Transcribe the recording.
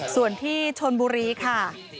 ส่วนที่ชนบุรีค่ะ